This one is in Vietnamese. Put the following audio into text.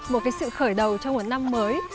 một cái sự khởi đầu cho một năm mới